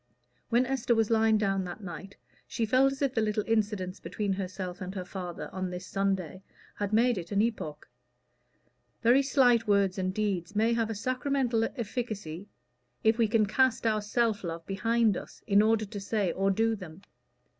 When Esther was lying down that night, she felt as if the little incidents between herself and her father on this Sunday had made it an epoch. Very slight words and deeds may have a sacramental efficacy, if we can cast our self love behind us, in order to say or do them.